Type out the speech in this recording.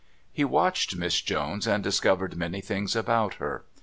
He watched Miss Jones and discovered many things about her.